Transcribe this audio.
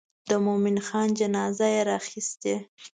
د مومن جان جنازه یې راخیستې.